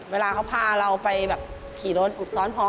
เวลาเขาพาเราไปแบบขี่รถอุบซ้อนพอ